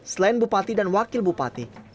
selain bupati dan wakil bupati